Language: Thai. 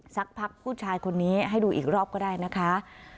สักพักผู้ชายคนนี้ให้ดูอีกรอบก็ได้นะคะ